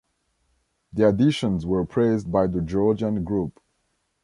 The additions were praised by the Georgian Group.